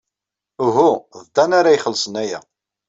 Uhu, d Dan ara ixellṣen aya.